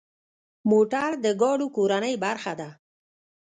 موټر د ګاډو کورنۍ برخه ده.